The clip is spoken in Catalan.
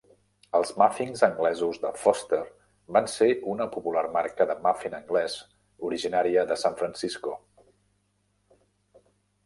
Els muffins anglesos de Foster van ser una popular marca de muffin anglès originària de San Francisco.